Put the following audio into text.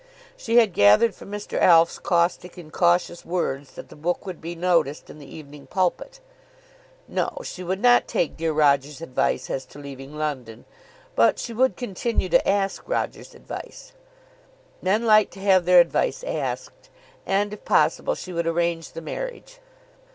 She had gathered from Mr. Alf's caustic and cautious words that the book would be noticed in the "Evening Pulpit." No; she would not take dear Roger's advice as to leaving London. But she would continue to ask Roger's advice. Men like to have their advice asked. And, if possible, she would arrange the marriage.